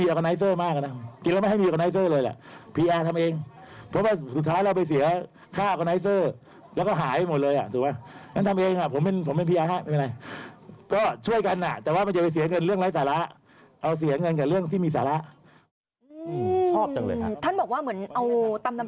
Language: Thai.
เอาตำนำพริกและไหล่แม่น้ำให้กันหนึ่งเนอะ